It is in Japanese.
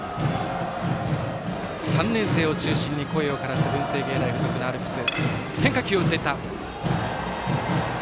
３年生を中心に声をからす文星芸大付属のアルプス。